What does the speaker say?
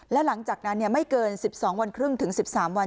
และหลังจากนั้นไม่เกิน๑๒วันครึ่งถึง๑๓วัน